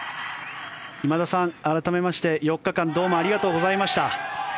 今田さん、改めまして４日間どうもありがとうございました。